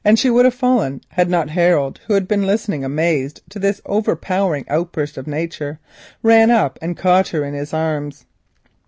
She would have fallen had not Harold, who had been listening amazed to this overpowering outburst of nature, run up and caught her in his arms.